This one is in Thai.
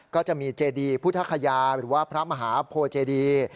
ก็จะมีเจดีพุทธคยาหรือว่าพระมหาโพเจดี